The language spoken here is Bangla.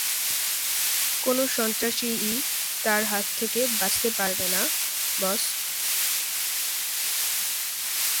কোনো সন্ত্রাসীই তার হাত থেকে বাঁচতে পারবে না, বস।